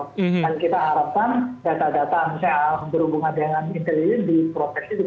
dan kita harapkan data data misalnya berhubungan dengan intelijen diproteksi dengan baiklah